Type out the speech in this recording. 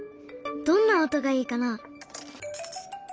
どんな音がいいかな？